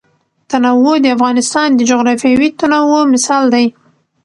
تنوع د افغانستان د جغرافیوي تنوع مثال دی.